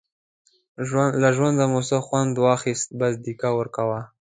له ژوند نه مو څه وخوند وانخیست، بس دیکه ورکوو.